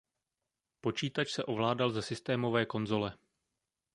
Počítač se ovládal ze systémové konzole.